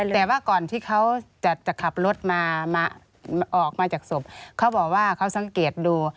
แต่ว่าก่อนที่เขาจะขับรถมาออกมาจากศพเขาบอกว่าเขาสังเกตดู